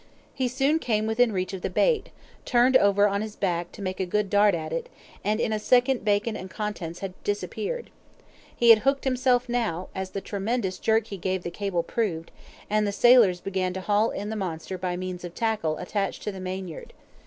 He soon came within reach of the bait, turned over on his back to make a good dart at it, and in a second bacon and contents had disappeared. He had hooked himself now, as the tremendous jerk he gave the cable proved, and the sailors began to haul in the monster by means of tackle attached to the mainyard.